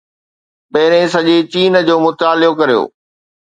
پهرين سڄي چين جو مطالعو ڪريو.